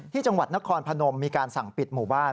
ที่จังหวัดนครพนมมีการสั่งปิดหมู่บ้าน